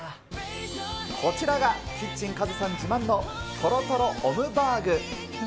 こちらが、キッチンカズさん自慢のとろとろオムバーグ。